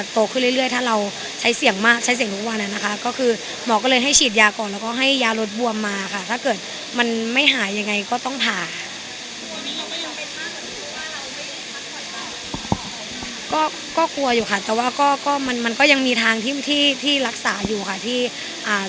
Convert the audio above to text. ก็กลัวอยู่ค่ะแต่ว่าก็ก็มันมันก็ยังมีทางที่ที่ที่รักษาอยู่ค่ะที่อ่า